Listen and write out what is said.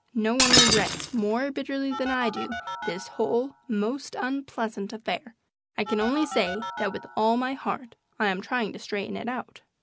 No one regrets more bitterly than I do this whole most unpleasant affair. I can only say that with all my heart I am trying to straighten it out."